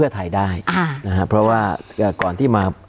การแสดงความคิดเห็น